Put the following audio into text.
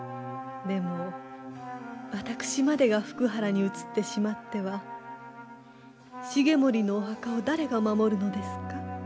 でも私までが福原に移ってしまっては重盛のお墓を誰が守るのですか？